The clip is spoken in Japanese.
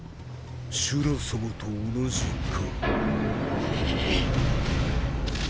シュラさまと同じか。